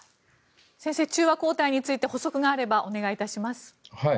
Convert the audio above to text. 先生、中和抗体について補足があればお願い致します。